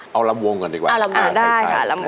เอารำวงก่อนดีกว่าเอาลำวงได้ค่ะเอารำวง